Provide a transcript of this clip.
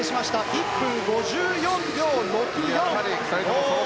１分５４秒６４。